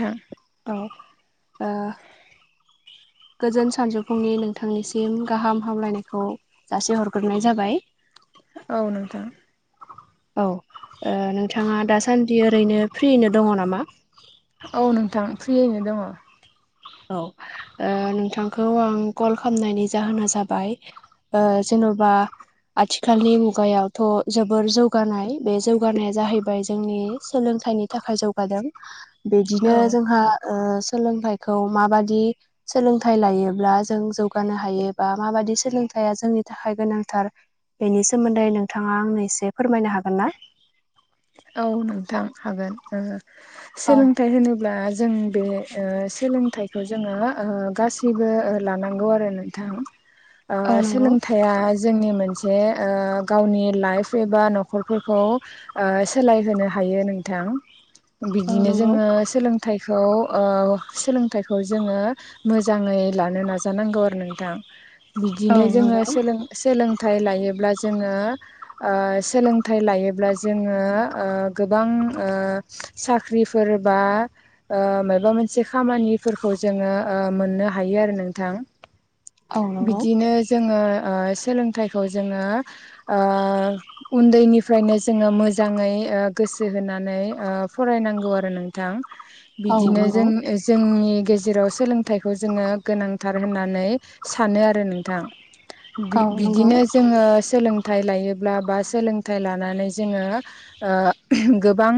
था औ ओ गोजोन सानजौफुंनि नोंथांनिसिम गाहाम हामलायनायखौ जासे हरग्रोनाय जाबाय औ नोंथां। औ नोंथाङा दासान्दि ओरैनो फ्रिनो दङ नामा? औ नोंथां फ्रियैनो दङ। औ नोंथांखौ आं कल खालामनायनि जाहोना जाबाय ओ जेन'बा आथिखालनि मुगायावथ' जोबोर जौगानाय बे जौगानाया जाहैबाय जोंनि सोलोंथाइनि थाखाय जौगादों बिदिनो जोंहा सोलोंथाइखौ माबादि सोलोंथाइ लायोब्ला जों जौगानो हायोबा माबाददि सोलोंथाइया जोंनि थाखाय गोनांथार बेनि सोमोन्दै नोंथाङा आंनै एसे फोरमायनो हागोन ना? औ नोंथां हागोन औ सोलों थाइ होनोब्ला जों बे सोलोंथाइखौ जोङो गासैबो लानांगौ आरो ना। बिथां [inaudible] ओ नंगौ सोलोंथाइ मा जोंनि मोनसे गावनि लाइफ एबा न'खरफोरखौ सोलायहोनो हायो नोंथां औ बिदिनो नंगौ जोङो थाइखौ ओ सोलोंथाइखौ जोङो मोजाङै लानो नाजानांगौ आरो नोंथां औ बिदिनो जोङो नंगौ सोलों सोलोंथाइ लायोब्ला जोङो सोलोंथाइ लायोब्ला जोङो ओ गोबां ओ साख्रिफोर बा माबा मोनसे खामानिफोरखौ जोङो मोननो हायो आरो नोंथां। औ नंगौ बिदिनो जोङो सोलोंथाइखौ जोङो उन्दैनिफ्रायनो जोङो मोजाङै गोसो होनानै फरायनांगौ आरो नोंथां औ बिदिनो नंगौ जों जोंनि गेजेराव सोलोंथाइखौ जोङो गोनांथार होननानै सानो आरो नोंथां औ नंगौ बिदिनो जोङो सोलोंथाइ लायोब्ला बा सोलोंथाइ लानानै जोङो गोबां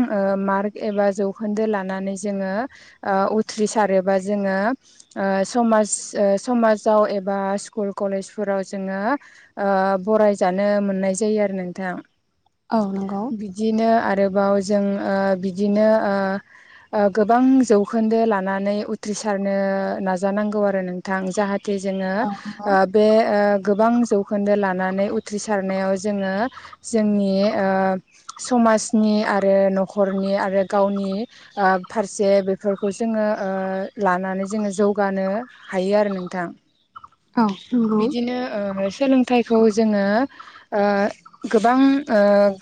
मार्क एबा जौखोन्दो लानानै जोङो उथ्रि सारोबा जोङो समाज समाजाव एबा स्कुल कलेजफोराव जोङो बरायजानो मोननाय जायो आरो नोंथां। औ नंगौ। बिदिनो आरोबाव जों बिदिनो गोबां जौखोन्दो लानानै उथ्रिसारनो नाजानांगौ आरो नोंथां जाहाथे जे जोङो औ नंगौ बे गोबां जौखोन्दो लानानै उथ्रिसारनायाव जोङो जोंनि समाजनि आरो न'खरनि आरो गावनि फारसे बेफोरखौ जोङो लानानै जोङो जौगानो हायो आरो नोंथां औ नंगौ बिदिनो सोलों थाइखौ जोङो गोबां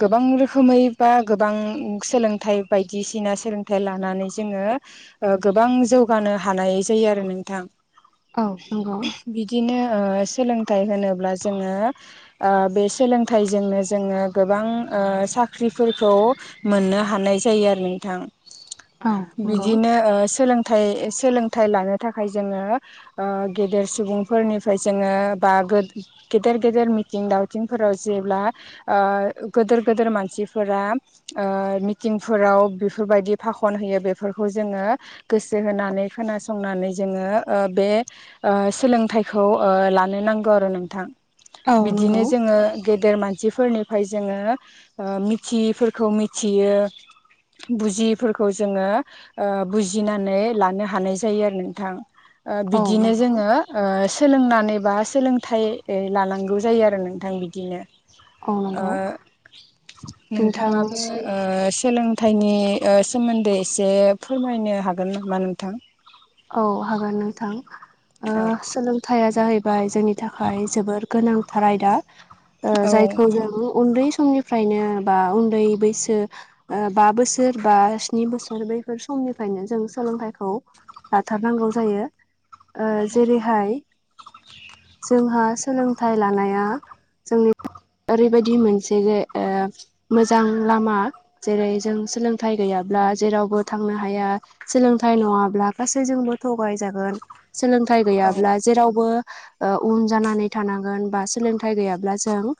गोबां रोखोम रोखोमै बा गोबां सोलोंथाइ बायदिसिना सोलोंथाइ लानानै जोङो गोबां जौगानो हानाय जायो आरो नोंथां। औ नंगौ बिदिनो सोलोंथाइ होनोब्ला जोङो बे सोलोंथाइजोंनो जोङो गोबां साख्रि साख्रिफोरखौ मोननो हानाय जायो आरो नोंथां बिदिनो सोलोंथाइ सोलोंथाइ लानो थाखाय जोङो गेदेर सुबुंफोरनिफ्राय जोङो बा गो गेदेर गेदेर मिथिं दावथिंफोराव जेब्ला गोदोर गोदोर मानसि मानसिफोरा मिटिंफोराव बेफोरबायदि फाखन होयो बेफोरखौ जोङो गोसो होनानै खोनासंनानै जोङो बे सोलोंथाइखौ लानो नांगौ आरो नोंथां बिदिनो जोङो गेदेर मानसिफोरनिफ्राय जोङो मिथियैफोरखौ मिथियो बुजियैफोरखौ जोङो बुजिनानै लानो हानाय जायो आरो नोंथां औ बिदिनो नंगौ जोङो सोलोंनानै बा सोलोंथाइ लानांगौ जायो आरो नोंथां बिदिनो ओ मावनांगौ नोंथाङाबो सोलों थायनि सोमोन्दै एसे फोरमायनो हागोन नामा नोंथां औ हागोन नोंथां औ सोलोंथाइया जाहैबाय जोंनि थाखाय जोबोर गोनांथार आयदा औ जायखौ जों उन्दै समनि फ्रायनो बा उन्दै बैसो ओ बा बोसोर बा स्नि बोसोर बैफोर समनिफ्रायनो जों सोलोंथाइखौ लाथारनांगौ जायो जेरैहाय जोंहा सोलोंथाइ लानाया जोंनि ओरैबायदि मोनसे मोजां लामा जेरै जों सोलोंथाइ गैयाब्ला जेरावबो थांनो हाया सोलोंथाइ नङाब्ला गासै जोंबो थगायजागोन सोलोंथाइ औ गैयाब्ला जेरावबो उन जानानै थानांगोन बा सोलोंथाइ गैयाब्ला जों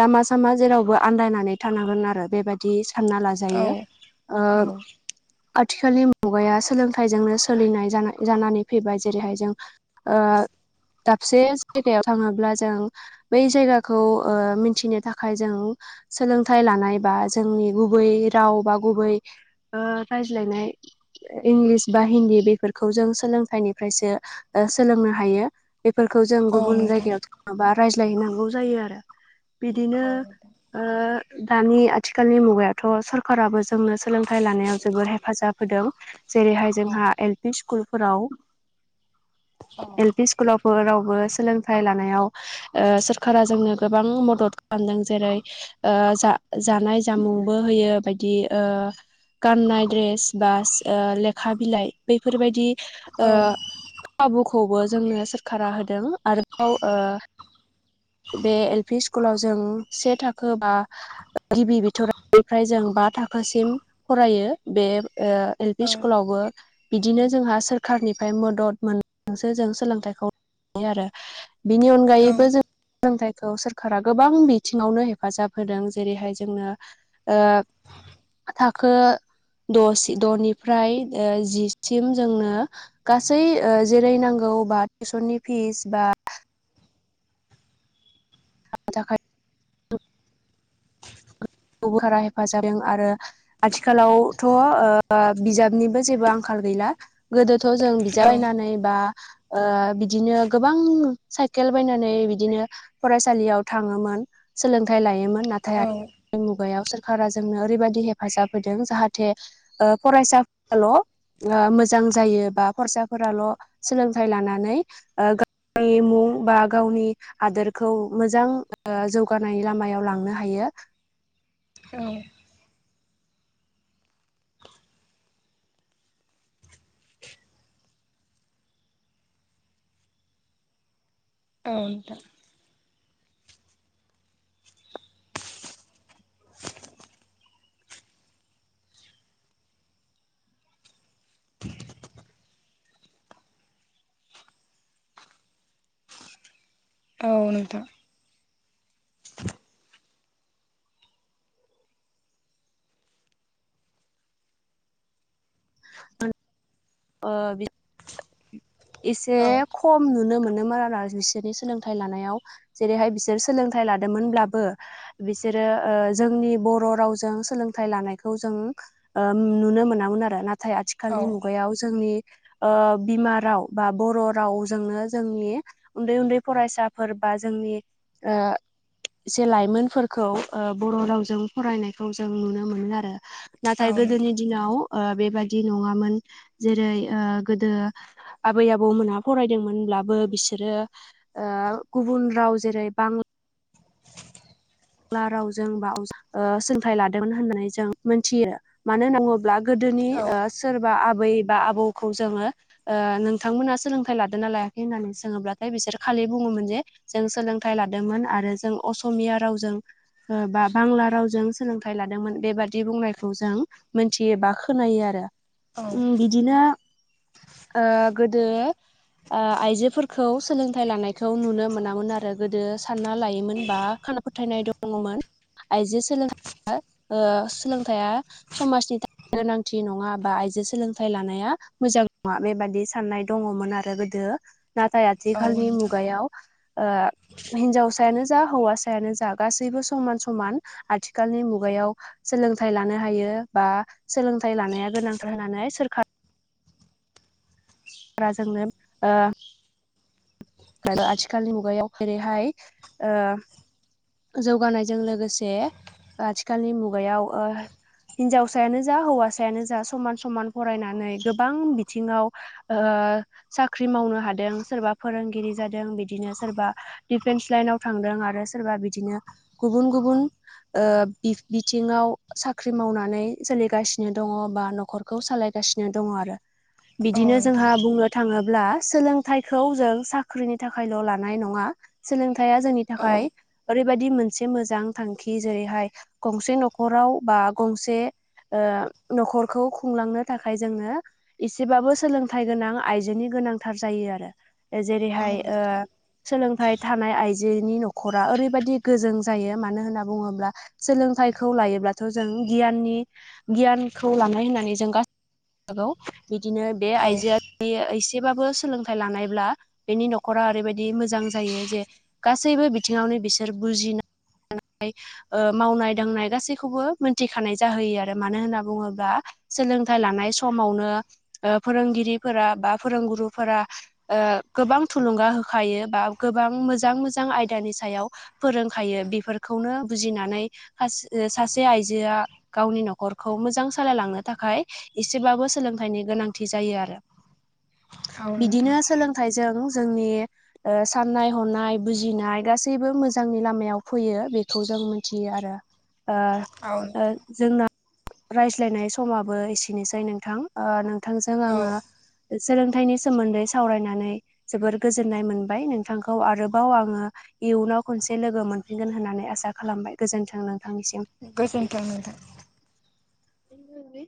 लामा सामा जेरावबो आनन्दायनानै थांनांगोन आरो बेबायदि सानना औ लाजायो आथिखालनि मुगाया सोलोंथाइजोंनो सोलिनाय जाना जानानै फैबाय जेरैहाय जों दाबसे जायगायाव थाङोब्ला जों बै जायगाखौ मिथिनो थाखाय जों सोलोंथाइ लानाय बा जोंनि गुबै राव बा गुबै राय्लायनाय इंलिस बा हिन्दी बेफोरखौ जों सोलोंथाइनिफ्रायसो सोलोंनो हायो बेफोरखौ जों औ गुबुन नोंथां। जायगायाव माबा रायज्लायहनांगौ जायो आरो बिदिनो औ दानि आथिखालनि मुगायावथ' सरकाराबो जोंनो सोलोंथाइ लानायाव जोबोद हेफाजाब होदों जेरैहाय औ जोंहा एल पि स्कुलफोराव औ स्कुलावबो रावबो सोलोंथाइ लानायाव सोरखारा जोंनो गोबां मदद खालामदों जेरै जा जानाय जामुंबो होयो बायदि गाननाय द्रेस बा लेखा बिलाइ बैफोरबायदि खाबुखौबो जोंनो सोरखारा होदों आरोबाव बे एल पि स्कुलाव जों से थाखो बा गिबि बिथोरनिफ्राय जों बा थाखोसिम फरायो बे एल औ पि स्कुल आावबो बिदिनो जोंहा सोरखारनिफ्राय मदद मोननानैसो जों सोलोंथाइखौायो आरो बेनि अनगायैबो जों सोलोंथाइखौ सोरखारा गोबां बिथिङावनो हेफाजाब होदों जेरैहाय जोंनो थाखो द द'निफ्राय जि सिम जोंनो गासै जेरै नांगौ बा टिउसननि फिस बा ज [unintelligible] आथिखालावथ' ओ बिजाबनिबो जेबो आंखाल गैला गोदोथ' जों औ बिजाब बायनानै बा ओ बिदिनो गोबां साइकेल बायनानै बिदिनो फरायसालियाव थाङोमोन सोलोंथाइ लायोमोन नाथाय आ मुगायाव सोरखारा जोंनो ओरैबादि हेफाजाब होदों जाहाथे फरायसाफ्राल' ओ मोजां जायो बा फरायसाफोराल' सोलोंथाइ लानानै ओ गावनि मुं बा गावनि हादोरखौ मोजां ओ जौगानायनि लामायाव लांनो हायो औ औ औ नोंथां [inaudible] इसे औ खम नुनो मोनोमोन आरो बिसोरनि सोलोंथाइ लानायाव जेरैहाय बिसोर सोलोंथाइ लादोंमोनब्लाबो बिसोरो ओ जोंनि बर' रावजों सोलोंथाइ लानायखौ जों ओ नुनो मोनामोन आरो नाथाय औ आथिखालनि मुगायाव जोंनि ओ बिमा राव बा बर' रावजोंनो जोंनि उन्दै उन्दै फरायसाफोर बा जोंनि ओ जे लाइमोनफोरखौ ओ बर' रावजों फरायनायखौ जों नुनो मोनो आरो औ नाथाय नोंथां गोदोनि ओ दिनाव बेबादि नङामोन जेरै ओ गोदो आबै आबौमोनहा फरायदोंमोनब्लाबो बिसोरो ओ गुबुन राव जेरै बां ला रावजों बा ओ सोलोंथाइ लादोंमोन होननानै जों मोनथियो मानो होनना बुङोब्ला गोदोनि ओ सोरबा आबै बा आबौखौ जोङो नोंथांमोना सोलोंथाइ लादोंना लायाखै होननानै सोङोब्लाथाय बिसोर खालि बुङोमोन जे जों सोलोंथाइ लादोंमोन आरो जों असमिया रावजों ओ बा बांला रावजों सोलोंथाइ लादोंमोन बेबादि बुंनायखौ जों मोनथियोबा खोनायो आरो औ ओम बिदिनो ओ गोदो ओ आइजोफोरखौ सोलोंथाइ लानायखौ नुनो मोनामोन आरो गोदो सानना लायोमोन बा खाना फोथायनाय दङमोन आइजो सोलों ओ सोलोंथाइया समाजनि था गोनांथि नङा बा आइजो सोलोंथाइ लानाया मोजां नङा बेबादि साननाय दङमोन आरो गोदो नाथाय औ आथिखालनि नोंथां मुगायाव हिन्जावसायानो जा हौवासायानो जा गासैबो समान समान आथिखालनि मुगायाव सोलोंथाइ लानो हायो बा सोलोंथाइ लानाया गोनांथार होननानै सोरखार रा जोंनो ओ आरो आथिखालनि मुगायाव जेरैहाय जौगानायजों लोगोसे आथिखालनि मुगायाव ओ हिनजावसायानो जा हौवासायानो जा समान समान फरायनानै गोबां बिथिङाव ओ साख्रि मावनो हादों सोरबा फोरोंगिरि जादों बिदिनो सोरबा दिफेन्स लाइनाव थांदों आरो सोरबा बिदिनो गुबुन गुबुन ओ बि बिथिङाव साख्रि मावनानै सोलिगासिनो दङ बा न'खर खौ सालायगासिनो दङ आरो औ बिदिनो नोंथां जोंहा बुंनो थाङोब्ला सोलोंथाइखौ जों साख्रिनि थाखायल' लानाय नङा सोलोंथाया जोंनि औ थाखाय ओरैबायादि मोनसे मोजां थांखि जेरैहाय गंसे न'खराव बा गंसे ओ न'खरखौ खुंलांनो थाखाय जोङो एसेबाबो सोलोंथाइ गोनां आइजोनि गोनांथार जायो आरो औ जेरैहाय नोंथां सोलोंथाइ थानाय आइजोनि न'खरा ओरै बायादि गोजों जायो मानो होन्ना बुङोब्ला सोलोंथाइखौ लायोब्लाथ' जों गियाननि गियानखौ लानाय होननानै जों गासै बिदिनो बे औ आइजोआ बियो एसेबाबो सोलोंथाइ लानायब्ला बेनि न'खरा ओरैबायदि मोजां जायो जे गासैबो बिथिङावनो बिसोर बुजिनो [inaudible] ओ मावनाय दांनाय गासैखौबो मोनथिखानाय जाहोयो आरो मानो होनना बुङोब्ला सोलोंथाइ लानाय समावनो ओ फोरोंगिरिफोरा बा फोरोंगुरुफोरा ओ गोबां थुलुंगा होखायो बा गोबां मोजां मोजां आयदानि सायाव फोरोंखायो बेफोरखौनो बुजिनानै सा-सासे आइजोआ गावनि न'खरखौ मोजां सालायलांनो थाखाय एसेबाबो सोलोंथाइनि गोनांथि जायो आरो औ नोंथां बिदिनो सोलों थायजों जोंनि ओ सनाय हनाय बुजिनाय गासैबो मो जांनि लामायाव फैयो बेखौ जों मिथियो आरो ओ औ ओ नोंथां जोंना रायज्लायनाय समाबो एसेनोसै नोंथां ओ नोंथांजों औ आङो सोलोंथाइनि सोमोन्दै सावरायनानै जोबोर गोजोननाय मोनबाय नोंथांखौ आरोबाव आङो इयुनाव खनसे लोगो मोनफिनगोन होननानै आसा खालामबाय गोजोन्थों नोंथांनिसिम गोजोनथों नोंथां [inaudible]